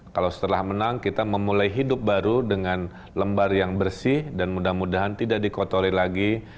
kalau setelah menang kita memulai hidup baru dengan lembar yang bersih dan mudah mudahan tidak dikotori lagi